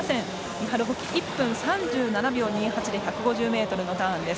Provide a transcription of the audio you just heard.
イハル・ボキ、１分３７秒２８で１５０ｍのターンです。